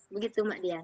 begitu mbak dian